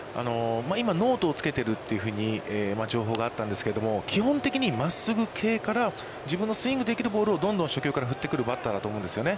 今、ノートをつけているというふうに情報があったんですけれども、基本的に真っすぐ系から自分のスイングができるボールをどんどん初球から振ってくるバッターだと思うんですよね。